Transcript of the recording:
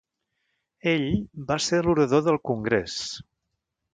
Ell va ser l'orador del Congrés.